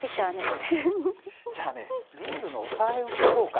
じゃあねルールのおさらいをしてこうか。